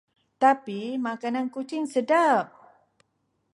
Tapi, makanan kucing sedap.